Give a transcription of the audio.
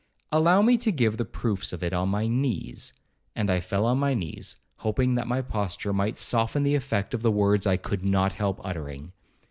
'Allow me to give the proofs of it on my knees;'—and I fell on my knees, hoping that my posture might soften the effect of the words I could not help uttering.